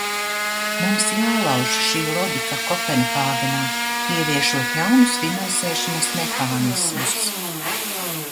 Mums jālauž šī loģika Kopenhāgenā, ieviešot jaunus finansēšanas mehānismus.